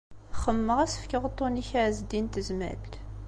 Xemmemeɣ ad as-fkeɣ uṭṭun-ik i Ɛezdin n Tezmalt.